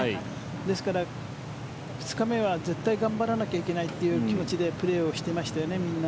ですから２日目は絶対頑張らなきゃいけないという気持ちでプレーをしていましたよねみんな。